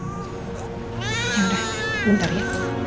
ya udah bentar ya